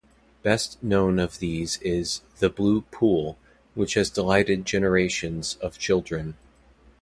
Best known of these is 'The Blue Pool' which has delighted generations of children.